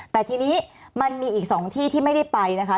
แต่ทีนี้มันมีอีก๒ที่ที่ไม่ได้ไปนะคะ